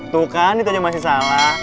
tuh kan itu aja masih salah